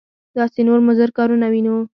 داسې نور مضر کارونه وینو.